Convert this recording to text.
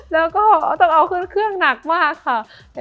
แล้วก็ต้องเอาขึ้นเครื่องหนักมากค่ะ